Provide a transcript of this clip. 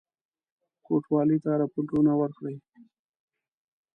کوټوالی ته رپوټونه ورکړي.